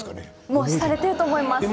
もうされてると思います。